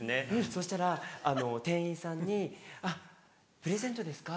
そしたら店員さんに「プレゼントですか？」